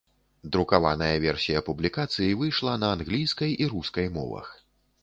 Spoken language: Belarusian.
Друкаваная версія публікацыі выйшла на англійскай і рускай мовах.